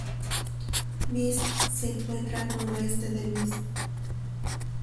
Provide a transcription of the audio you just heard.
Mist se encuentra al noroeste de Mist.